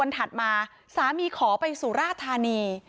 ถัดมาสามีขอไปสุราธานี